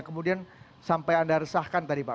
kemudian sampai anda resahkan tadi pak